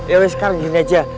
ya sekarang gini aja